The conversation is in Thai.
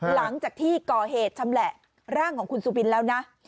หลังจากที่ก่อเหตุชำแหละร่างของคุณสุบินแล้วนะ